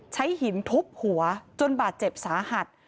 หินทุบหัวจนบาดเจ็บสาหัส